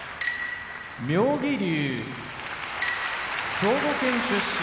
妙義龍兵庫県出身